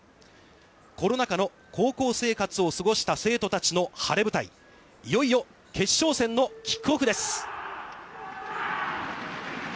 コロナ禍の高校生活を過ごした生徒たちの晴れ舞台、いよいよ決勝戦のキックオフです。